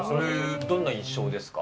どんな印象ですか。